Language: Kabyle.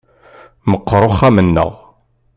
Meqqer uxxam-nneɣ.